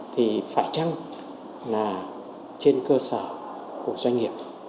thì phải chăng là trên cơ sở của doanh nghiệp